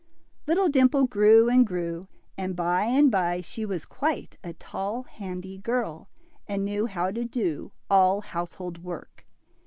Little Dimple grew and grew, and by and by she was quite a tall, handy girl, and knew how to do all household work.